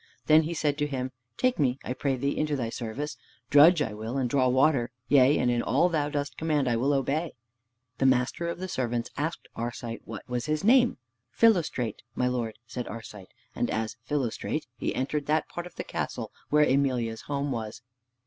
Then he said to him, "Take me, I pray thee, into thy service. Drudge I will and draw water, yea, and in all thou dost command I will obey." The master of the servants asked Arcite what was his name. "Philostrate, my lord," said Arcite, and as "Philostrate" he entered that part of the castle where Emelia's home was.